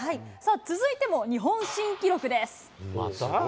続いても、日本新記録です。